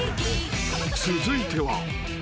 ［続いては］